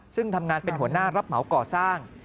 ซึ่งทำงานเป็นหัวหน้ารับเหมาก่อสร้าง